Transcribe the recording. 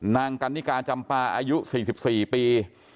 นางกันนิกาจำปาอายุ๔๔ปี